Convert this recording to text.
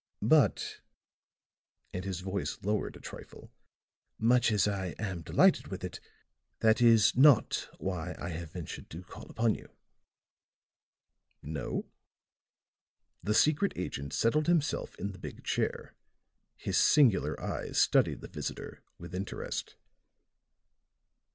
But," and his voice lowered a trifle, "much as I am delighted with it, still, that is not why I have ventured to call upon you." "No?" The secret agent settled himself in the big chair; his singular eyes studied the visitor with interest.